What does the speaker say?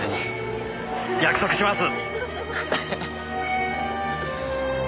約束します。